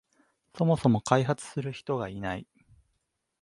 そもそも開発する人がいない